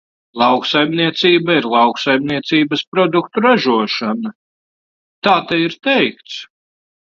Lauksaimniecība ir lauksaimniecības produktu ražošana, tā te ir teikts.